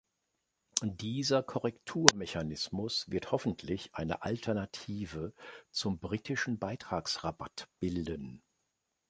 Dieser Korrekturmechanismus wird hoffentlich eine Alternative zum britischen Beitragsrabatt bilden.